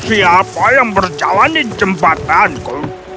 siapa yang berjalan di jembatanku